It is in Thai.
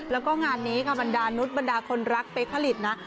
แล้วก็งานนี้ค่ะบรรดานุษย์บรรดาคนรักไปผลิตนะ